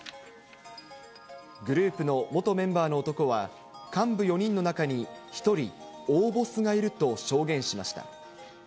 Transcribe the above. グループの元メンバーの男は、幹部４人の中に１人、大ボスがいると証言しました。